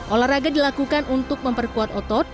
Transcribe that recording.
olahraga dilakukan untuk memperkuat otot